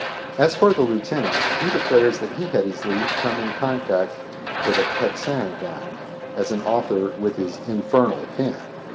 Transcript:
As for the lieutenant, he declares that he had as lief come in contact with a Paixhan gun as an author with his "infernal pen."